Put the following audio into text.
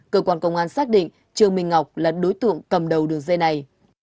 cơ quan công an xác định trương minh ngọc là đối tượng cầm đầu đường dây này